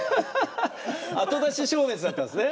後出し消滅だったんですね。